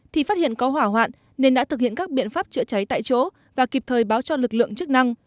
thì phát hiện có hỏa hoạn nên đã thực hiện các biện pháp chữa cháy tại chỗ và kịp thời báo cho lực lượng chức năng